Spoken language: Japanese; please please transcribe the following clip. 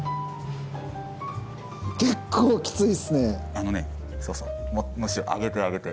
あのねそうそう上げて上げて。